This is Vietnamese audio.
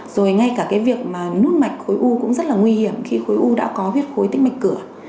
rồi ngay cả việc nút mạch khối u cũng rất là nguy hiểm khi khối u đã có huyết khối tích mạch cửa